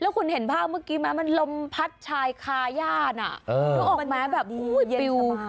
แล้วคุณเห็นภาพเมื่อกี้มันลมพัดชายคาญาณมันออกมาแบบอุ๊ยปิว